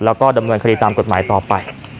แล้วก็ดำเนินคดีตามกฎหมายต่อไป